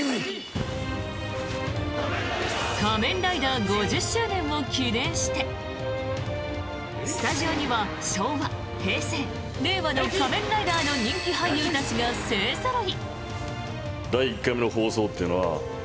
「仮面ライダー」５０周年を記念してスタジオには昭和、平成、令和の「仮面ライダー」の人気俳優たちが勢ぞろい。